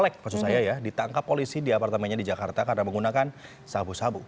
selek maksud saya ya ditangkap polisi di apartemennya di jakarta karena menggunakan sabu sabu